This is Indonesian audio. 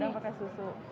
kadang pakai susu